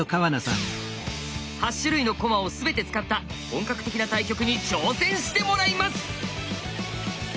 ８種類の駒を全て使った本格的な対局に挑戦してもらいます！